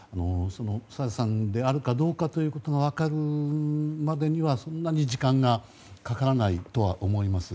朝芽さんであるかどうかということが分かるまでにはそんなに時間がかからないとは思います。